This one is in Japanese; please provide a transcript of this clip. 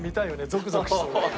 ゾクゾクしそう。